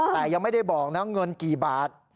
แต่ยังไม่ได้บอกนะเงินกี่บาท